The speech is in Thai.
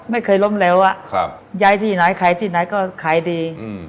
ไม่เคยล้มเหลวอ่ะย้ายที่ไหนขายที่ไหนก็ขายดี